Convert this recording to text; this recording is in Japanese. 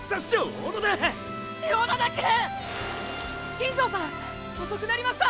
金城さん遅くなりました。